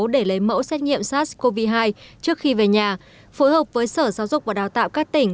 để lấy mẫu xét nghiệm sars cov hai trước khi về nhà phối hợp với sở giáo dục và đào tạo các tỉnh